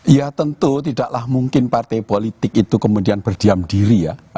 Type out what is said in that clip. ya tentu tidaklah mungkin partai politik itu kemudian berdiam diri ya